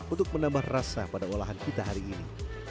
untuk menambah rasa pada olahan kita hari ini